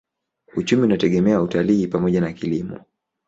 Uchumi unategemea utalii pamoja na kilimo.